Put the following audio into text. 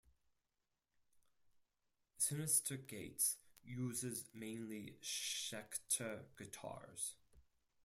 Synyster Gates uses mainly Schecter Guitars.